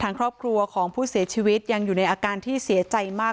ทางครอบครัวของผู้เสียชีวิตยังอยู่ในอาการที่เสียใจมาก